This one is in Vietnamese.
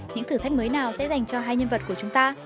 những thử thách mới nào sẽ dành cho hai nhân vật của chúng ta